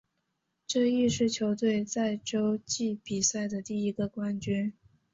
这亦是球队在洲际比赛的第一个冠军。